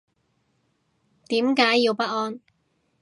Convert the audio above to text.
點解要不安